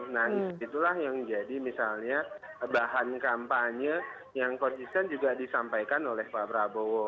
nah itulah yang jadi misalnya bahan kampanye yang konsisten juga disampaikan oleh pak prabowo